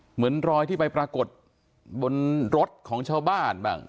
เหมือนรอยที่ไปปรากฏบนรถของชาวบ้านบ้าง